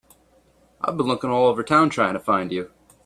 I've been looking all over town trying to find you.